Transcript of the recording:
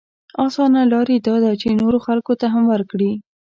اسانه لاره يې دا ده چې نورو خلکو ته هم ورکړي.